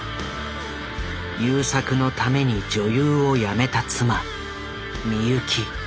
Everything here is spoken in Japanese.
優作のために女優をやめた妻美由紀。